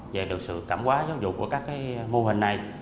về được sự cảm quá giáo dục của các mô hình này